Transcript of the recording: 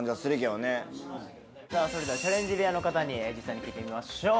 さあそれではチャレンジ部屋の方に実際に聞いてみましょう。